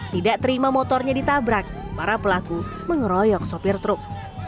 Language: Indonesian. tidak terima motornya ditabrak para pelaku mengeroyok sopir truk